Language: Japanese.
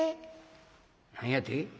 「何やて？」。